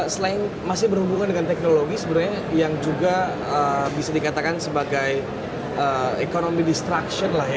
selain masih berhubungan dengan teknologi sebenarnya yang juga bisa dikatakan sebagai economy destruction lah ya